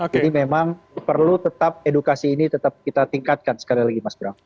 jadi memang perlu tetap edukasi ini tetap kita tingkatkan sekali lagi mas brang